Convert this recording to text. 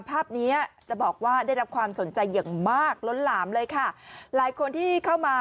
ภาพนี้จะบอกว่าได้รับความสนใจ